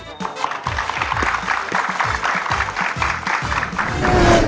ผมแปลที่อย่าง